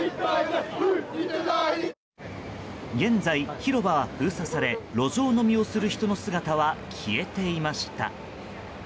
現在、広場は封鎖され路上飲みをする人の姿は消えていました。